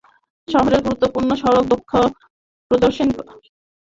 শহরের গুরুত্বপূর্ণ সড়ক প্রদক্ষিণ করে শাপলা চত্বর এলাকায় গিয়ে সেটি শেষ হয়।